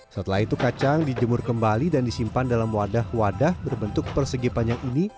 setelah itu kacang dijemur kembali dan disimpan dalam wadah wadah berbentuk persegi panjang ini